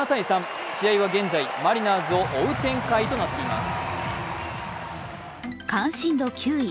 試合は現在マリナーズを追う展開となっています。